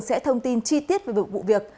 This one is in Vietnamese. sẽ thông tin chi tiết về vụ việc